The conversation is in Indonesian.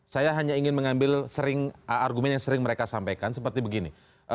saya hanya ingin mengambil argumen yang sering mereka sampaikan seperti begini